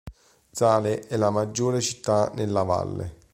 Zahle è la maggiore città nella valle.